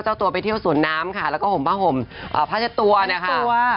เจ้าตัวไปเที่ยวสวนน้ำค่ะแล้วก็ห่มผ้าห่มผ้าเช็ดตัวนะคะ